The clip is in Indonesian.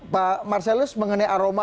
pak marcelus mengenai aroma